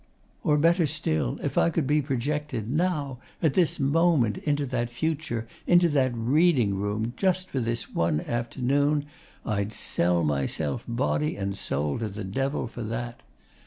Or better still: if I could be projected, now, at this moment, into that future, into that reading room, just for this one afternoon! I'd sell myself body and soul to the devil, for that!